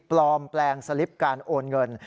ปลอมแปลงสลิปการโอนเงิน